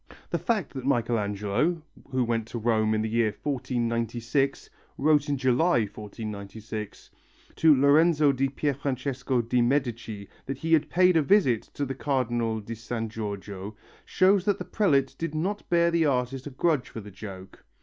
The fact that Michelangelo, who went to Rome in the year 1496, wrote in July, 1496, to Lorenzo di Pierfrancesco de' Medici that he had paid a visit to the Cardinal di San Giorgio, shows that the prelate did not bear the artist a grudge for the joke.